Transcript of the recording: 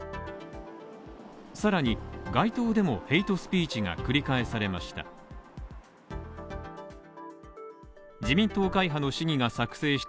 さらに、街頭でもヘイトスピーチが繰り返されました。